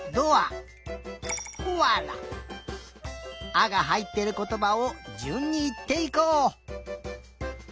「あ」がはいってることばをじゅんにいっていこう。